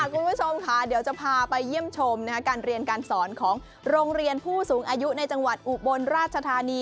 คุณผู้ชมค่ะเดี๋ยวจะพาไปเยี่ยมชมการเรียนการสอนของโรงเรียนผู้สูงอายุในจังหวัดอุบลราชธานี